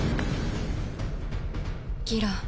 ギラ